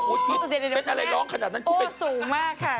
แล้วก็วุฒิเป็นอะไรร้องขนาดนั้นคุณเป็นโอ้สูงมากค่ะ